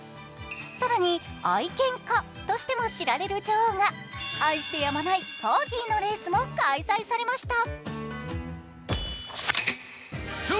更に、愛犬家としても知られる女王が愛してやまないコーギーのレースも開催されました。